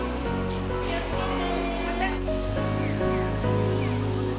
気を付けて。